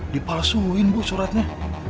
dipalsuin bu suratnya